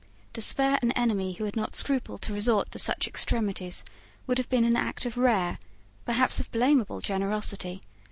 To spare an enemy who had not scrupled to resort to such extremities would have been an act of rare, perhaps of blamable generosity.